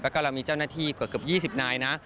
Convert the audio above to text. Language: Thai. แล้วก็เรามีเจ้าหน้าที่เกือบ๒๐นายนะ